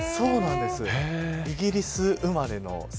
イギリス生まれの桜。